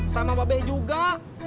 sama babeh juga